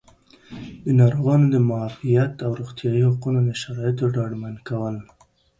د ناروغانو د معافیت او روغتیایي حقونو د شرایطو ډاډمن کول